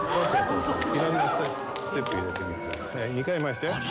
「２回回して」